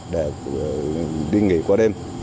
để đi nghỉ qua đêm